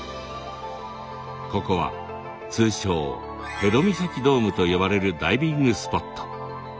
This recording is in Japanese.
ここは通称辺戸岬ドームと呼ばれるダイビングスポット。